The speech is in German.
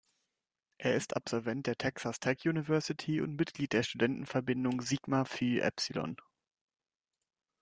Er ist Absolvent der Texas Tech University und Mitglied der Studentenverbindung Sigma Phi Epsilon.